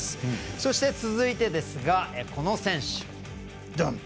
そして、続いて、この選手。